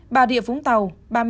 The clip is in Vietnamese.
bà địa phúng tàu